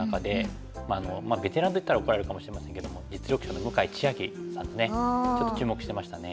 まあベテランといったら怒られるかもしれませんけども実力者の向井千瑛さんですねちょっと注目してましたね。